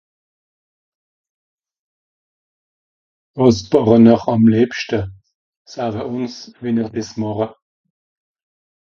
wàs bàche ihr am liebschte, sawe uns wie ihr diss màche